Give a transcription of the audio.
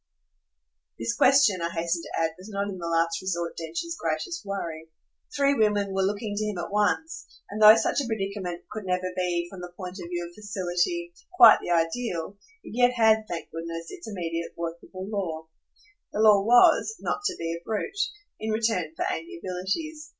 This question, I hasten to add, was not in the last resort Densher's greatest worry. Three women were looking to him at once, and, though such a predicament could never be, from the point of view of facility, quite the ideal, it yet had, thank goodness, its immediate workable law. The law was not to be a brute in return for amiabilities.